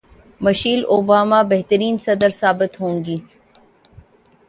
Michel Obama بہترین صدر ثابت ہوں گی